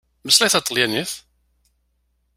Mmeslay taṭalyanit!